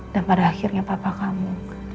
dan pada akhirnya papa kamu